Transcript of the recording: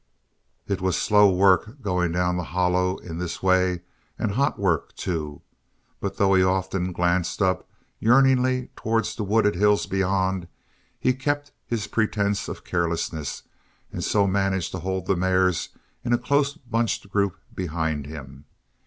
It was slow work going down the hollow in this way, and hot work, too, but though he often glanced up yearningly towards the wooded hills beyond, he kept to his pretense of carelessness and so managed to hold the mares in a close bunched group behind him.